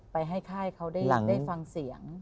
ไปให้ค่ายเขาได้ฟังเสียง